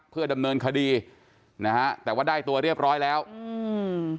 เพื่อดำเนินคดีนะฮะแต่ว่าได้ตัวเรียบร้อยแล้วอืม